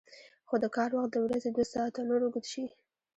خو د کار وخت د ورځې دوه ساعته نور اوږد شي